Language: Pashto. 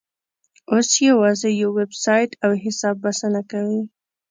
اوس یوازې یو ویبسایټ او حساب بسنه کوي.